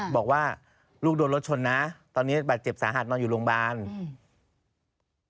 บอกว่าลูกโดนรถชนนะตอนนี้บาดเจ็บสาหัสนอนอยู่โรงพยาบาลอืม